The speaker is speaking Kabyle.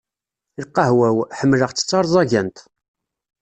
Lqahwa-w, ḥemmleɣ-tt d tarẓagant.